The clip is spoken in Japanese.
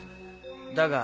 だが。